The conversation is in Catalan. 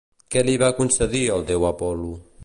Què li va concedir el déu Apol·lo?